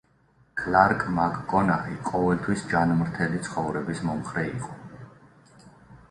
კლარკ მაკ-კონაჰი ყოველთვის ჯანმრთელი ცხოვრების მომხრე იყო.